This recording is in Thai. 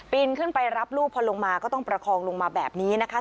ขึ้นไปรับลูกพอลงมาก็ต้องประคองลงมาแบบนี้นะคะ